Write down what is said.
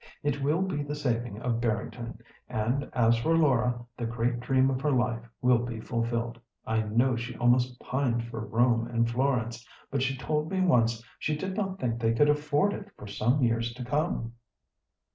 It will be the saving of Barrington, and as for Laura, the great dream of her life will be fulfilled. I know she almost pines for Rome and Florence, but she told me once she did not think they could afford it for some years to come."